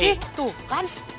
eh tuh kan